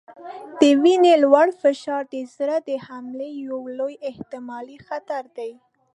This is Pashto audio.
د وینې لوړ فشار د زړه د حملې یو لوی احتمالي خطر دی.